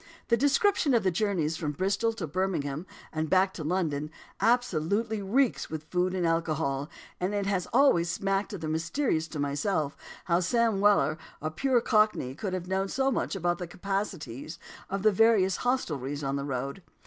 The description of the journeys from Bristol to Birmingham, and back to London, absolutely reeks with food and alcohol; and it has always smacked of the mysterious to myself how Sam Weller, a pure Cockney, could have known so much of the capacities of the various hostelries on the road.